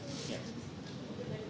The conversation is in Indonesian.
terus yang kedua itu